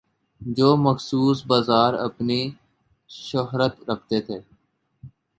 جو مخصوص بازار اپنی شہرت رکھتے تھے۔